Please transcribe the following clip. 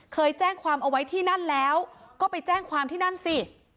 เคยแจ้งความเอาไว้ที่นั่นแล้วก็ไปแจ้งความที่นั่นสิ